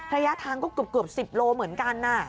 ระยะทางก็เกือบ๑๐โลเหมือนกัน